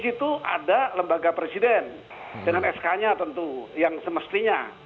di situ ada lembaga presiden dengan sk nya tentu yang semestinya